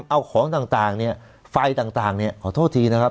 เอาของต่างเนี่ยไฟต่างเนี่ยขอโทษทีนะครับ